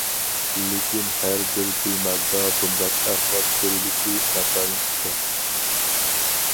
لېكىن ھەر بىر بىماردا بۇنداق ئەھۋال كۆرۈلۈشى ناتايىن ئىكەن.